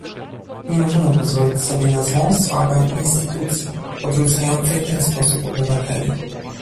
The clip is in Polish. Nie możemy pozwolić sobie na złą sławę instytucji odrzucającej w ten sposób obywateli